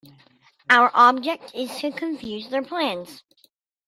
Our object is to confuse their plans.